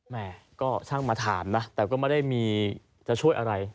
แม่ก็ช่างมาถามนะแต่ก็ไม่ได้มีจะช่วยอะไร